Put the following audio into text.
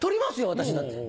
私だって。